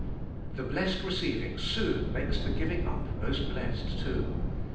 The blessed receiving soon makes the giving up most blessed too.